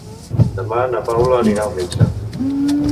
Demà na Paula anirà al metge.